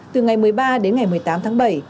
từ ngày một mươi ba đến ngày một mươi tám tháng bảy